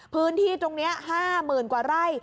พื้นที่ตรงนี้๕๐๐๐กว่าไร่